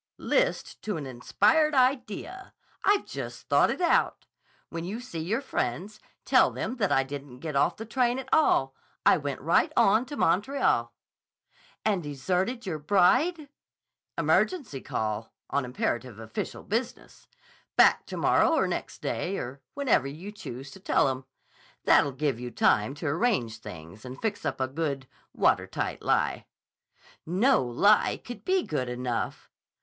"List to an inspired idea! I've just thought it out. When you see your friends, tell them that I didn't get off the train at all. I went right on to Montreal." "And deserted your bride?" "Emergency call on imperative official business. Back to morrow or next day, or whenever you choose to tell 'em. That'll give you time to arrange things and fix up a good, water tight lie." "No lie could be good enough."